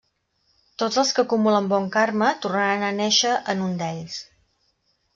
Tots els que acumulen bon karma tornaran a néixer en un d'ells.